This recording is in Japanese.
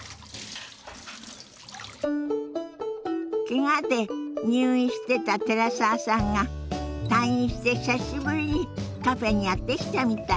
けがで入院してた寺澤さんが退院して久しぶりにカフェにやって来たみたい。